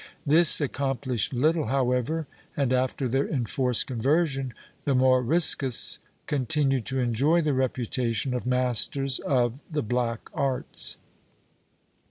This accomplished little, however, and, after their enforced conversion, the Moriscos con tinued to enjoy the reputation of masters of the black arts.